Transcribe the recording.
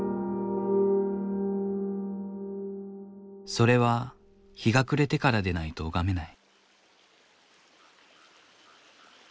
それは日が暮れてからでないと拝めない。